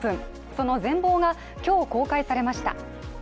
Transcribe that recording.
その全貌が今日公開されました。